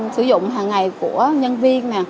sử dụng hàng ngày của nhân viên